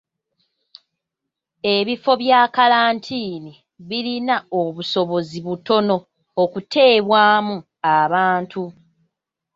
Ebifo bya kkalantiini birina obusobozi butono okuteebwamu abantu.